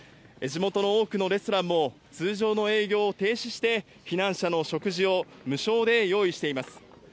地元の多くのレストランも、通常の営業を停止して、避難者の食事を無償で用意しています。